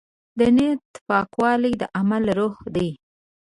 د نیت پاکوالی د عمل روح دی.